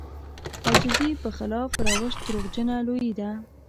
د عاجزي په خلاف روش دروغجنه لويي ده.